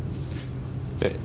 ええ。